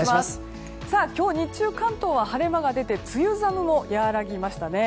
今日日中関東は晴れ間が出て梅雨寒も和らぎましたね。